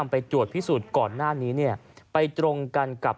และถือเป็นเคสแรกที่ผู้หญิงและมีการทารุณกรรมสัตว์อย่างโหดเยี่ยมด้วยความชำนาญนะครับ